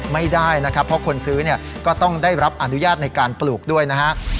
ไม่ได้นะครับเพราะคนซื้อเนี่ยก็ต้องได้รับอนุญาตในการปลูกด้วยนะฮะ